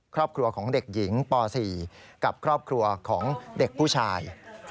ครอบครัวของเด็กหญิงป๔กับครอบครัวของเด็กผู้ชาย